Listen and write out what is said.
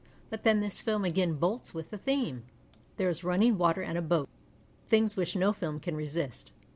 But then the film again bolts with the theme. There is ruiming water and a boat, things which no film can resist.